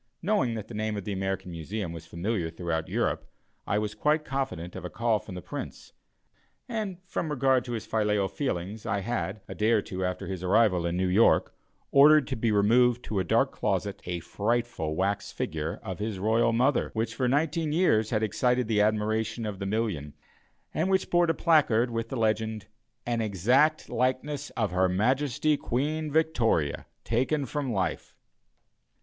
Knowing that the name of the American Museum was familiar throughout Europe, I was quite confident of a call from the Prince, and from regard to his filial feelings I had, a day or two after his arrival in New York, ordered to be removed to a dark closet a frightful wax figure of his royal mother, which, for nineteen years, had excited the admiration of the million and which bore a placard with the legend, "An exact likeness of Her Majesty Queen Victoria, taken from life."